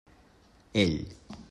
Ell.